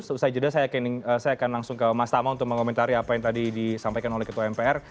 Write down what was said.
seusai jeda saya akan langsung ke mas tama untuk mengomentari apa yang tadi disampaikan oleh ketua mpr